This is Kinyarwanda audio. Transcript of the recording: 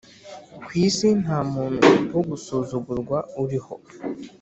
kwisi nta muntu wo gusuzugurwa uriho